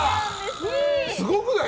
すごくない？